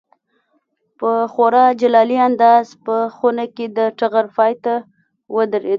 په خورا جلالي انداز په خونه کې د ټغر پای ته ودرېد.